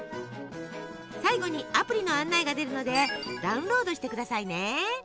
最後にアプリの案内が出るのでダウンロードしてくださいね。